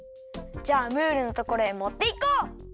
じゃあムールのところへもっていこう！